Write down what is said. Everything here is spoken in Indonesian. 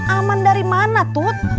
aman dari mana tuh